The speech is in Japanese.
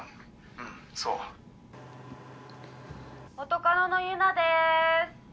うんそう元カノのユナです